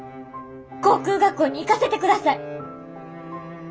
航空学校に行かせてください。